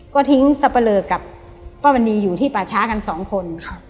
ก็ทิ้งสับปะเลอกับป้ามณีอยู่ที่ป่าช้ากันสองคน